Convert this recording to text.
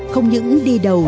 không những đi đầu